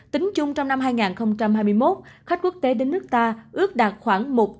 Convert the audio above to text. tính chung trong năm hai nghìn hai mươi một khách quốc tế đến nước ta ước đạt khoảng một